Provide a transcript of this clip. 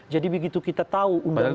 jadi begitu kita tahu